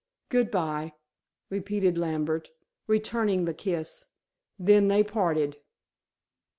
"Good bye," repeated Lambert, returning the kiss. Then they parted.